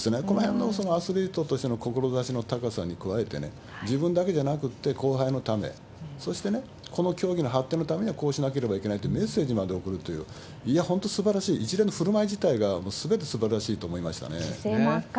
このへんのアスリートとしての志の高さに加えてね、自分だけじゃなくって後輩のため、そしてね、この競技の発展のためにはこうしなければいけないってメッセージまで送るという、いや、本当すばらしい、一連の振る舞い自体が、もうすべてすばらしいと思いましたね。